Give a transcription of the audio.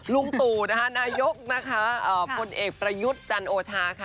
ลุงตู่นะคะนายกนะคะพลเอกประยุทธ์จันโอชาค่ะ